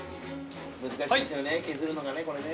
難しいですよね削るのがねこれね。